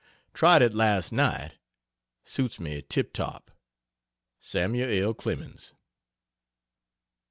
Tried it last night. Suits me tip top. SAM'L L. CLEMENS.